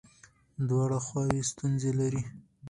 دواړه خواوې ستونزې لري.